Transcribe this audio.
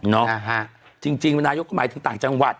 เนอะจริงว่านายกหมายถึงต่างจังหวัด